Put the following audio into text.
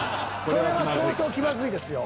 それは相当気まずいですよ。